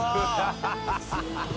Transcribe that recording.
ハハハ